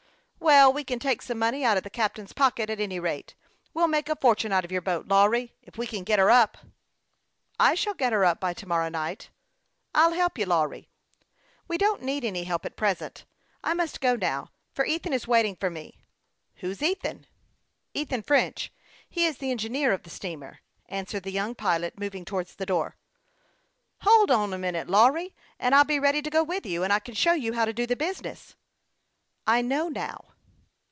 " Well, we can take some money out of the cap tain's pocket, at any rate. We'll make a fortune out of your boat, Lawry, if we get her up." " I shall get her up by to morrow night." " I'll help you, Lawry." " We don't need any help at present. I must go now, for Ethan is waiting for me." "Who's Ethan?" " Ethan French ; he is the engineer of the steamer," answered the young pilot, moving towards the door. " Hold on a minute, Lawry, and I'll be ready to go with you. I can show you how to do the business." " I know now."